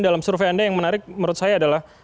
dalam survei anda yang menarik menurut saya adalah